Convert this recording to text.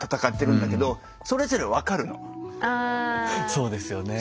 そうですよねえ。